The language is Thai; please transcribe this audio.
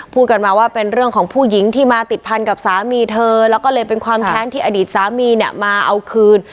พูดกันมาว่าเป็นเรื่องของผู้หญิงที่มาติดพันกับสามีเธอแล้วก็เลยเป็นความแค้นที่อดีตสามีเนี่ยมาเอาคืน